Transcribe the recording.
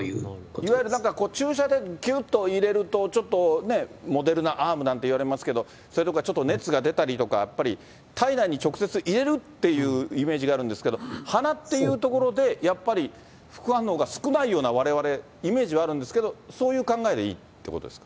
いわゆるだから注射でぎゅっと入れるとちょっと、モデルナアームなんて言われますけど、それとか熱が出たりとか、やっぱり体内に直接入れるっていうイメージがあるんですけど、鼻っていうところでやっぱり副反応が少ないようなわれわれ、イメージはあるんですけど、そういう考えでいいってことですか。